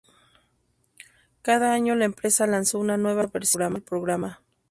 Cada año la empresa lanzó una nueva versión del programa.